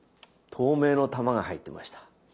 透明の玉が入ってました。